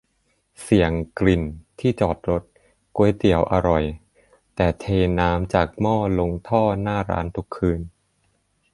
เสียง กลิ่น ที่จอดรถ ก๋วยเตี๋ยวอร่อยแต่เทน้ำจากหม้อลงท่อหน้าร้านทุกคืน